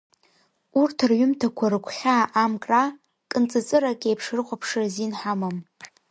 Урҭ рҩымҭақәа рыгәхьаа амкра, кынҵыҵырак еиԥш рыхәаԥшра азин ҳамам.